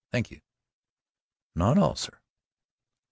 Thank you." "Not at all, sir."